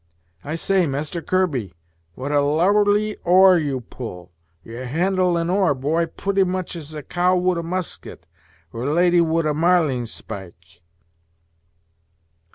I say, Master Kirby, what a lubberly oar you pull you handle an oar, boy, pretty much as a cow would a musket, or a lady would a marling spike."